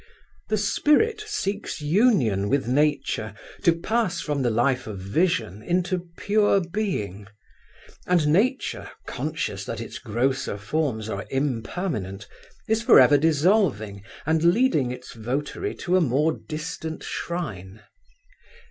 The spirit seeks union with nature to pass from the life of vision into Pure being; and nature, conscious that its grosser forms are impermanent, is for ever dissolving and leading its votary to a more distant shrine.